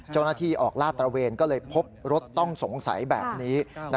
เจ้าหน้าที่ออกลาดตระเวนก็เลยพบรถต้องสงสัยแบบนี้